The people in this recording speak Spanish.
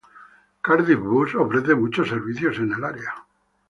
Cardiff Bus ofrece muchos servicios en el área.